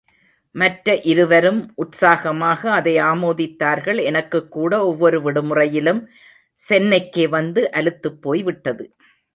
மற்ற இருவரும் உற்சாகமாக அதை ஆமோதித்தார்கள் எனக்குக்கூட ஒவ்வொரு விடுமுறையிலும் சென்னைக்கே வந்து அலுத்துப்போய்விட்டது.